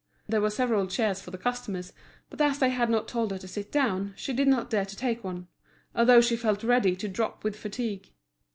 There were several chairs for the customers; but as they had not told her to sit down, she did not dare to take one, although she felt ready to drop with fatigue.